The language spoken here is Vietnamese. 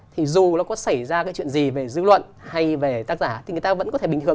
thì dù nó có xảy ra cái chuyện gì về dư luận hay về tác giả thì người ta vẫn có thể bình hưởng